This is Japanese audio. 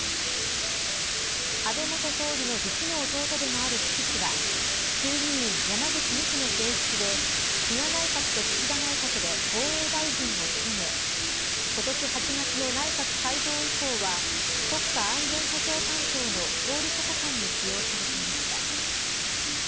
安倍元総理の実の弟でもある岸氏は衆議院山口２区の選出で菅内閣と岸田内閣で防衛大臣を務め今年８月の内閣改造以降は国家安全保障担当の総理補佐官に起用されていました。